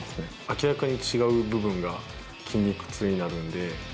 明らかに違う部分が筋肉痛になるんで。